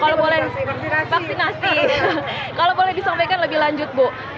kalau boleh disampaikan lebih lanjut bu